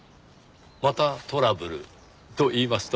「またトラブル」といいますと？